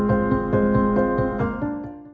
โปรดติดตามตอนต่อไป